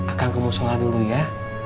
akan kemusola dulu ya